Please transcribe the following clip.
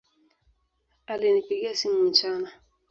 Alinipigia simu mchana